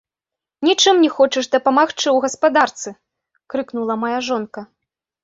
Нічым не хочаш дапамагчы ў гаспадарцы!— крыкнула мая жонка.